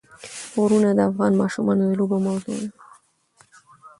غرونه د افغان ماشومانو د لوبو موضوع ده.